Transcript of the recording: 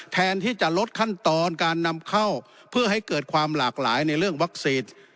แทนที่จะลดขั้นตอนการนำเข้าเพื่อให้เกิดความหลากหลายในเรื่องวัคซีน